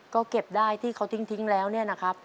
ก็เก็บได้ที่เขาทิ้งแล้วเนี่ยนะครับ